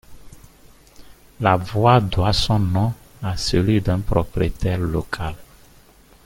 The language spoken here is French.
La voie doit son nom à celui d'un propriétaire local.